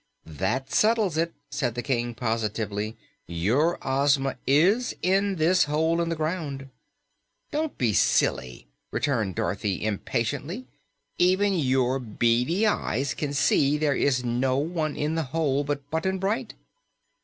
"That settles it," said the King positively. "Your Ozma is in this hole in the ground." "Don't be silly," returned Dorothy impatiently. "Even your beady eyes can see there is no one in the hole but Button Bright."